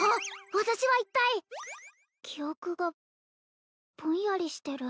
私は一体記憶がぼんやりしてる